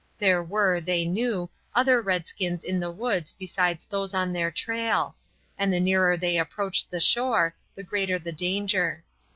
There were, they knew, other redskins in the woods besides those on their trail, and the nearer they approached the shore the greater the danger.